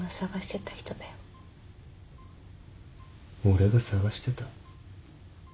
俺が捜してた？